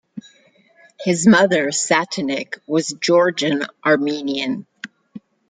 His mother, Satenik, was Georgian Armenian.